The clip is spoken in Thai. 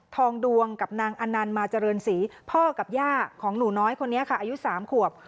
ดวงกับนางอนันต์มาเจริญศรีพ่อกับย่าของหนูน้อยคนนี้ค่ะอายุ๓ขวบ